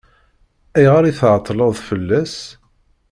Ayɣer i tɛeṭṭleḍ fell-as?